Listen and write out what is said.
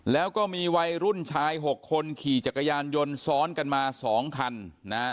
แล้วก็มีวัยรุ่นชาย๖คนขี่จักรยานยนต์ซ้อนกันมา๒คันนะฮะ